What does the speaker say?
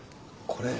これ。